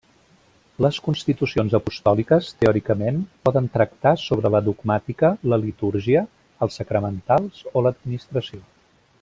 Les constitucions apostòliques, teòricament, poden tractar sobre la dogmàtica, la litúrgia, els sacramentals, o l'administració.